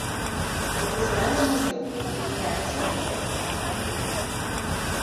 Ha due sorelle maggiori, Rachael e Laura.